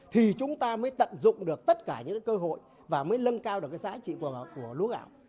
thì chúng ta mới tận dụng được tất cả những cơ hội và mới lân cao được giá trị của lúa gạo